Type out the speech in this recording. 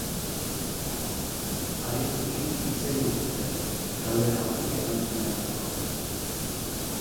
Adituekin hitz egingo dute, galdera horri erantzuna emateko.